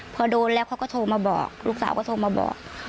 พอโดนแล้วเขาก็โทรมาบอกลูกสาวก็โทรมาบอก